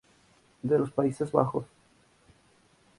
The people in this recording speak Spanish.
De los Países Bajos.